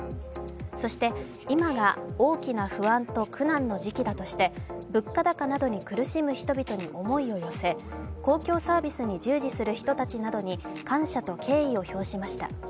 そして今が大きな不安と苦難の時期だとして物価高に苦しむ人々に思いを寄せ、公共サービスに従事する人たちに感謝と敬意を表しました。